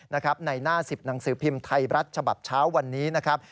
ในหน้า๑๐หนังสือพิมพ์ไทยรัฐฉบับเช้าวันนี้นะครับ